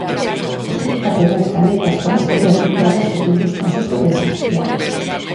As cinco catedrais galegas van ser rehabilitadas seguindo os pasos da de Santiago.